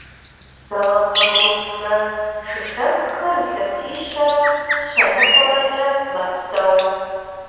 Галапагосскэ шылъэгухэр илъэсищэрэ щэныкъуэрэкӏэ мэпсэу.